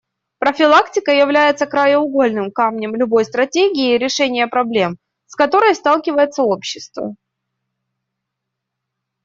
Профилактика является краеугольным камнем любой стратегии решения проблем, с которыми сталкивается общество.